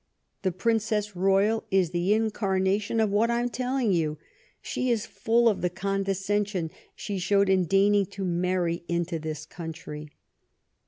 The Princess Royal is the incarnation of what I'm telling you. She is full of the condescension she showed in deigning to marry into our country."